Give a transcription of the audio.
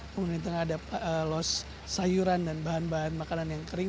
kemudian di tengah ada los sayuran dan bahan bahan makanan yang kering